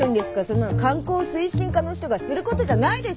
そんなの観光推進課の人がすることじゃないでしょ。